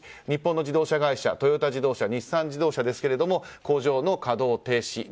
日本の自動車会社トヨタ自動車、日産自動車ですが工場の稼働停止。